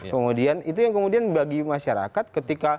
kemudian itu yang kemudian bagi masyarakat ketika